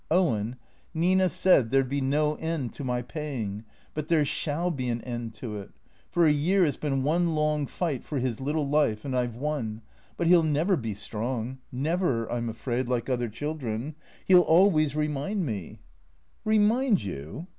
" Owen — Nina said there 'd be no end to my paying. But there shall be an end to it. For a year it 's been one long fight for his little life, and I 've won ; but he '11 never be strong ; never, I 'm afraid, like other children. He '11 always remind me "" Remind you